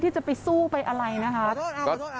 ที่จะไปสู้ไปอะไรนะคะ